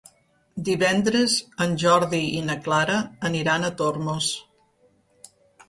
Divendres en Jordi i na Clara aniran a Tormos.